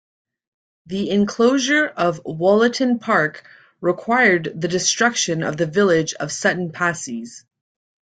The enclosure of Wollaton Park required the destruction of the village of Sutton Passeys.